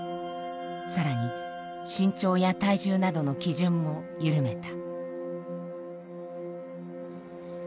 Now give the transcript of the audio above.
更に身長や体重などの基準も緩めた。